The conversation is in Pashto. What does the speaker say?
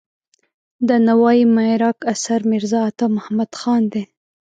د نوای معارک اثر میرزا عطا محمد خان دی.